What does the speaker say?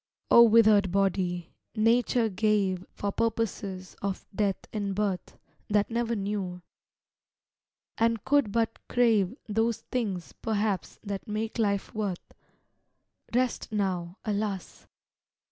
O withered body, Nature gave For purposes of death and birth, That never knew, and could but crave Those things perhaps that make life worth Rest now, alas!